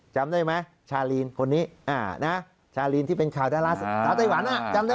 จำได้ไหมชาลีนคนนี้ชาลีนที่เป็นข่าวดาราสาวไต้หวันจำได้